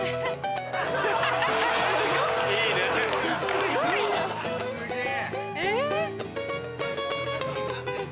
すごいな。・すげぇ・